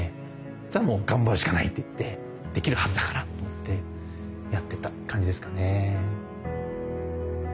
したらもう頑張るしかないっていってできるはずだからと思ってやってた感じですかね。